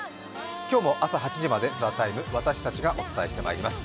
今日も朝８時まで「ＴＨＥＴＩＭＥ，」私たちがお伝えしてまいります。